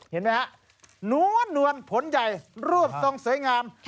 เห็นไหมครับนวลนวลผลใหญ่รูปทรงสวยงาม